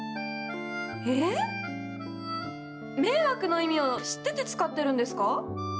え⁉「迷惑」の意味を知ってて使ってるんですか？